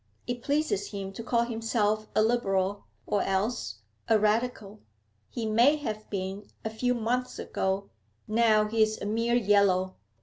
It pleases him to call himself a Liberal, or else a Radical. He may have been a few months ago; now he's a mere Yellow.